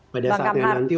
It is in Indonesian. pada saat yang nanti